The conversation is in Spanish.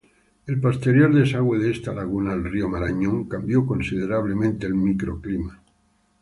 El posterior desagüe de esta laguna al Rio Marañón cambió considerablemente el microclima.